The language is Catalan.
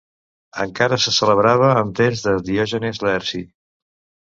Encara se celebrava en temps de Diògenes Laerci.